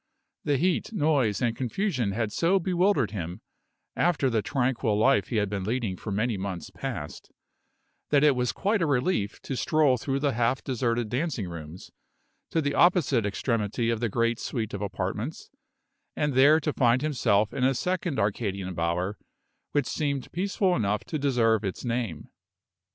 The heat, noise, and confusion had so bewildered him, after the tranquil life he had been leading for many months past, that it was quite a relief to stroll through the half deserted dancing rooms, to the opposite extremity of the great suite of apartments, and there to find himself in a second Arcadian bower, which seemed peaceful enough to deserve its name.